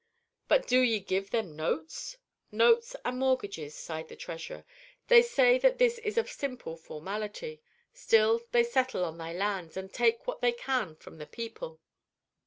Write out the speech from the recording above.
"But do ye give them notes?" "Notes and mortgages," sighed the treasurer. "They say that this is a simple formality. Still they settle on thy lands, and take what they can from the people."